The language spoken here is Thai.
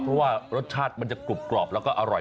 เพราะว่ารสชาติมันจะกรุบกรอบแล้วก็อร่อย